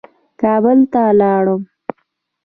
کابل ته ولاړم.